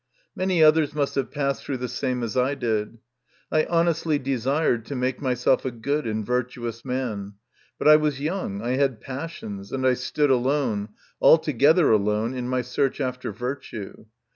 Many others must have passed through the same as I did. I honestly desired to make myself a good and virtuous man ; but I was young, I had passions, and I stood alone, altogether alone, in my search after virtue.